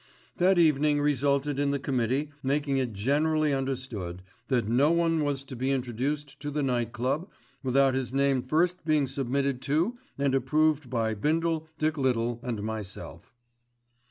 That evening resulted in the committee making it generally understood that no one was to be introduced to the Night Club without his name first being submitted to and approved by Bindle, Dick Little and myself.